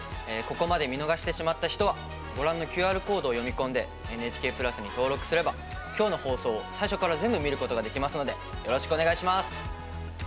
ここまで見逃してしまった人はご覧のＱＲコードを読み込んで「ＮＨＫプラス」に登録すれば今日の放送を最初から全部見ることができますのでよろしくお願いします。